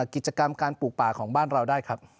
กิจกรรมการปลูกป่าของบ้านเราได้ครับ